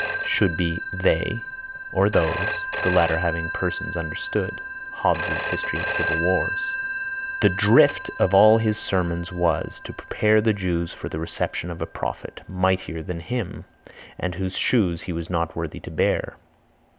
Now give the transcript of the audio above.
Should be they or those, the latter having persons understood. Hobbes's History of Civil Wars. "The drift of all his sermons was, to prepare the Jews for the reception of a prophet, mightier than him, and whose shoes he was not worthy to bear."